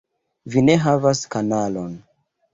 - Vi ne havas kanalon